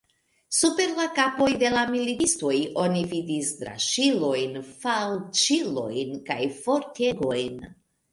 Super la kapoj de la militistoj oni vidis draŝilojn, falĉilojn kaj forkegojn.